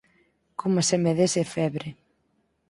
Coma se me dese febre